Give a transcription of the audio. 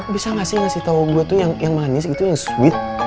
bisa gak sih ngasih tau gue tuh yang manis itu yang sweet